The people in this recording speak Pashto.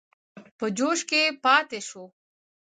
په جوش کې پاته شو.